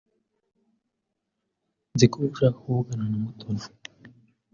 Nzi ko ushaka kuvugana na Mutoni.